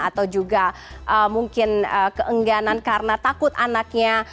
atau juga mungkin keengganan karena takut anaknya